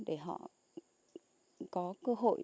để họ có cơ hội